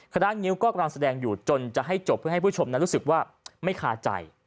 งิ้วก็กำลังแสดงอยู่จนจะให้จบเพื่อให้ผู้ชมนั้นรู้สึกว่าไม่คาใจ